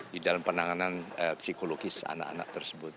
di dalam penanganan psikologis anak anak tersebut